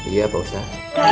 iya pak ustadz